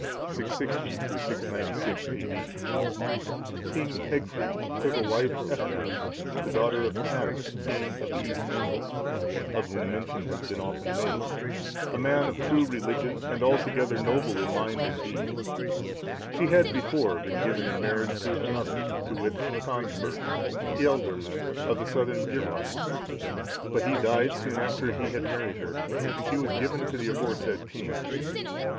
[660 696 A.D.] King Egfrid took to wife Ethelthryth, the daughter of Anna,(660) king of the East Angles, of whom mention has been often made; a man of true religion, and altogether noble in mind and deed. She had before been given in marriage to another, to wit, Tondbert, ealdorman(661) of the Southern Gyrwas; but he died soon after he had married her, and she was given to the aforesaid king.